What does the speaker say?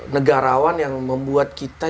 negarawan yang membuat kita